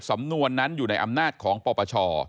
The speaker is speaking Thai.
สำนวนนั้นอยู่ในอำนาจของปปช